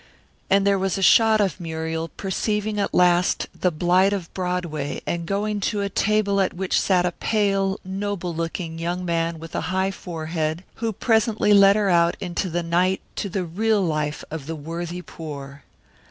And there was a shot of Muriel perceiving at last the blight of Broadway and going to a table at which sat a pale, noble looking young man with a high forehead, who presently led her out into the night to the real life of the worthy poor.